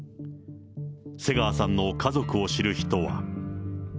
瀬川さんの家族を知る人は。